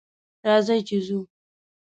راځئ چې ځو